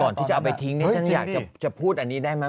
ที่จะเอาไปทิ้งนี่ฉันอยากจะพูดอันนี้ได้ไหม